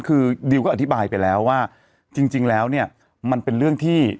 คือดิวก็อธิบายไปแล้วว่าจริงแล้วเนี่ยมันเป็นเรื่องที่